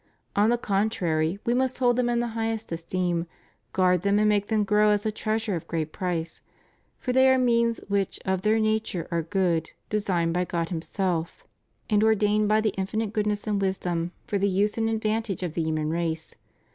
On the contrary, we must hold them in the highest esteem, guard them and make them grow as a treasure of great price, for they are means which of their nature are good, designed by God Himself, and ordained by the Infinite Goodness and Wisdom for the use and advantage of the human race.